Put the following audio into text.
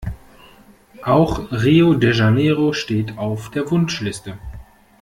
Auch Rio de Janeiro steht auf der Wunschliste.